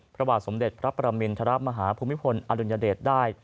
พระบาทสมเด็จพระปรมินธรรมหาภูมิพลอรุณเยอร์เดชได้